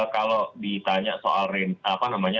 kalau ditanya soal apa namanya